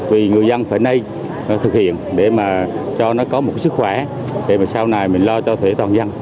vì người dân phải nên thực hiện để mà cho nó có một sức khỏe để mà sau này mình lo cho thể toàn dân